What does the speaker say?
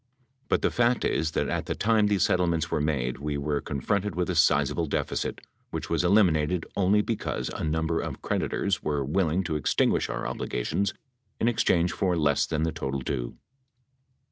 But the fact is that at the time these settlements were made we were con fronted with a sizable deficit, which was eliminated only be cause a number of creditors were willing to extinguish our obligations in exchange for less than the total due.